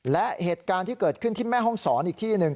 และเหตุการณ์ที่เกิดขึ้นที่แม่ห้องศรอีกที่หนึ่ง